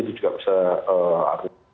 itu juga bisa arti